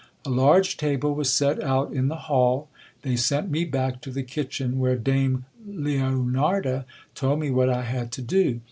A large table was set out in the hall. They sent me back to the kitchen, where dame Leonarda told me what I had to do.